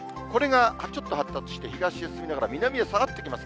これがちょっと発達して東へ進みながら、南へ下がっていきます。